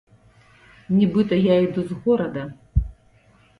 Нібыта я іду з горада.